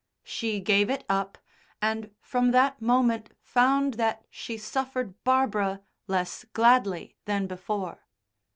She gave it up, and, from that moment found that she suffered Barbara less gladly than before.